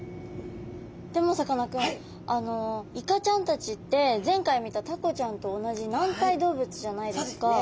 でもさかなクンイカちゃんたちって前回見たタコちゃんと同じ軟体動物じゃないですか。